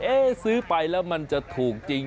ซื้อไปแล้วมันจะถูกจริง